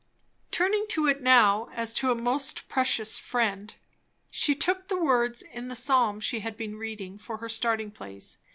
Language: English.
Turning to it now as to a most precious friend, she took the words in the psalm she had been reading for her starting place.